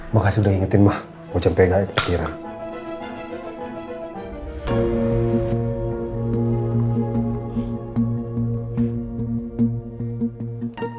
makasih udah ingetin ma mau jempe kali kepikiran